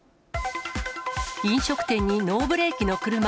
飲食店にノーブレーキの車。